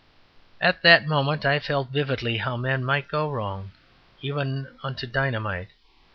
At that moment I felt vividly how men might go wrong, even unto dynamite.